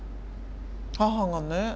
母がね